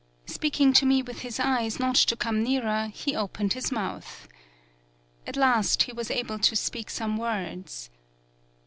Speaking to me with his eyes, not to come nearer, he opened his mouth. At last he was able to speak some words.